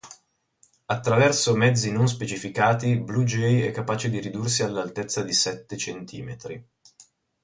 Attraverso mezzi non specificati, Blue Jay è capace di ridursi all'altezza di sette centimetri.